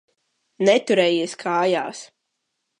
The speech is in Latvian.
Neturējies kājās.